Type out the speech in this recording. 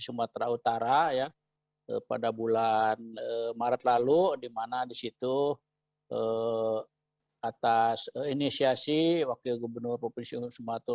sumatera utara ya pada bulan maret lalu dimana disitu atas inisiasi wakil gubernur provinsi sumatera